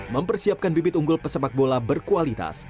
mempersiapkan bibit unggul pesepak bola berkualitas